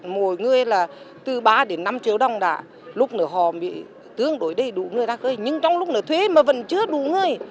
mỗi người là từ ba đến năm triệu đồng đã lúc nữa họ bị tương đối đầy đủ người ra khơi nhưng trong lúc thuê mà vẫn chưa đủ người